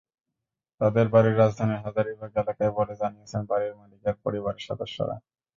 তাঁদের বাড়ি রাজধানীর হাজারীবাগ এলাকায় বলে জানিয়েছেন বাড়ির মালিকের পরিবারের সদস্যরা।